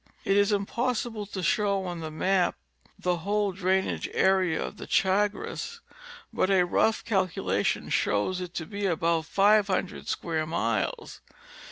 It is impossible to show on the map the whole drain age area of the Chagres, but a rough calculation shows it to be about 500 square miles.